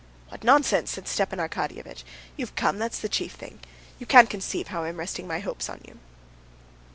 "What nonsense!" said Stepan Arkadyevitch. "You've come, that's the chief thing. You can't conceive how I'm resting my hopes on you."